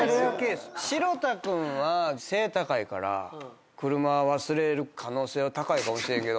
城田君は背高いから車忘れる可能性は高いかもしれんけど。